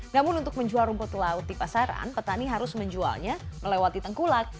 namun untuk menjual rumput laut di pasaran petani harus menjualnya melewati tengkulak